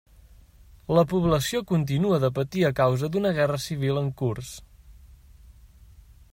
La població continua de patir a causa d'una guerra civil en curs.